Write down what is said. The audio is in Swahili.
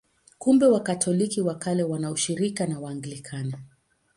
Kumbe Wakatoliki wa Kale wana ushirika na Waanglikana.